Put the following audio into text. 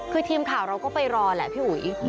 คือทีมข่าวเราก็ไปรอแหละพี่อุ๋ย